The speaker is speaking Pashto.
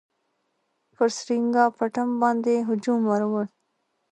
پر سرینګا پټم باندي هجوم ورووړ.